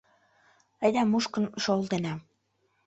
Айда мушкын шолтена.